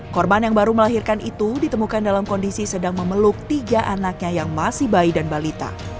korban yang baru melahirkan itu ditemukan dalam kondisi sedang memeluk tiga anaknya yang masih bayi dan balita